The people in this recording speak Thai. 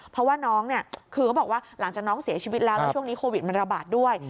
เพราะว่าน้องเนี่ยคือเขาบอกว่าหลังจากน้องเสียชีวิตแล้วแล้วช่วงนี้โควิดมันระบาดด้วย